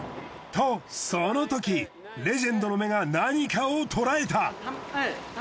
とその時レジェンドの目が何かをとらえた！